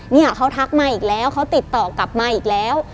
เนี่ยเขาทักมาอีกแล้วเขาติดต่อกลับมาอีกแล้ว